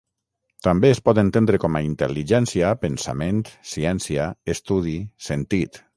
També es pot entendre com a 'intel·ligència', 'pensament', 'ciència', 'estudi', 'sentit'.